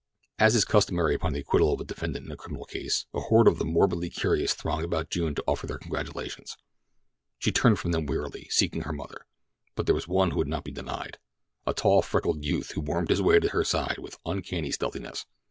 As is customary upon the acquittal of a defendant in a criminal case, a horde of the morbidly curious thronged about June to offer their congratulations. She turned from them wearily, seeking her mother; but there was one who would not be denied—a tall, freckled youth who wormed his way to her side with uncanny stealthiness.